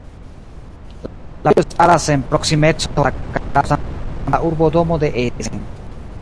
La preĝejo staras en proksimeco al la katedralo samkiel al la urbodomo de Essen.